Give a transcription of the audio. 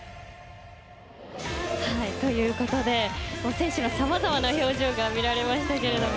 選手のさまざまな表情が見られましたけれども。